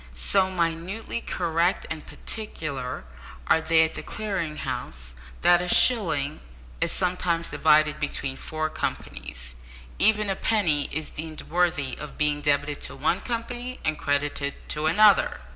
So minutely correct and particular are they at the Clearing House, that a shilling is sometimes divided between four companies. Even a penny is deemed worthy of being debited to one company and credited to another!